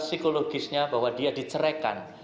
psikologisnya bahwa dia dicerahkan